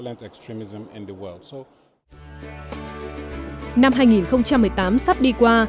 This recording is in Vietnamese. năm hai nghìn một mươi tám sắp đi qua